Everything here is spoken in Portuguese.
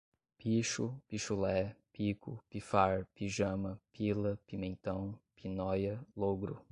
picho, pichulé, pico, pifar, pijama, pila, pimentão, pinóia, lôgro